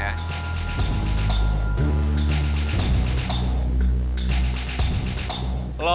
oke laksanakan ya